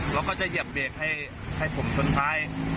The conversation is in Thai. แล้วก็จะเหยียบเบรกให้ผมชนท้าย